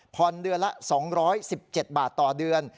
เดือนละ๒๑๗บาทต่อเดือน